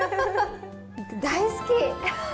大好き！